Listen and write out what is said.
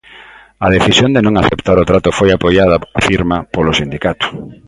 A decisión de non aceptar o trato foi apoiada, afirma, polo sindicato.